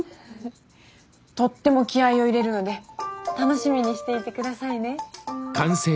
とっても気合いを入れるので楽しみにしていて下さいね。